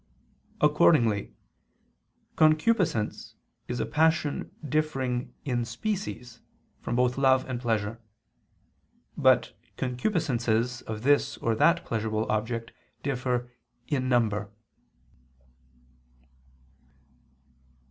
Accordingly, concupiscence is a passion differing in species from both love and pleasure. But concupiscences of this or that pleasurable object differ _in number.